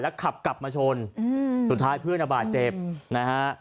ขับกลับมาชนสุดท้ายเพื่อนบาดเจ็บนะฮะ